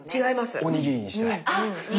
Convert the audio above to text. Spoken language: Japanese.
おにぎりにしたい！